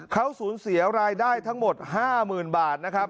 เขาสูญเสียรายได้ทั้งหมด๕๐๐๐บาทนะครับ